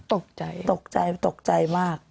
ตกใจตกใจตกใจมาก